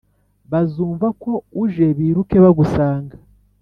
bazumva ko uje biruke bagusanga